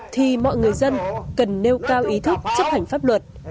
thì mọi người dân cần nêu cao ý thức chấp hành pháp luật